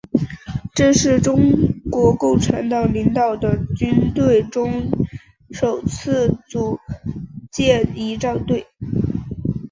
这是中国共产党领导的军队中首次组建仪仗队。